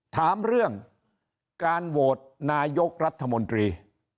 ถามเรื่องการโหวตนายกรัฐมนตรี